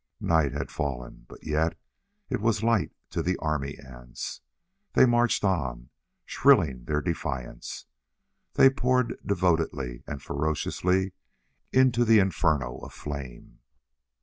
Night had fallen, but yet it was light to the army ants. They marched on, shrilling their defiance. They poured devotedly and ferociously into the inferno of flame.